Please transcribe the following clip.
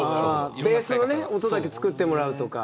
ベースの音だけ作ってもらおうとか。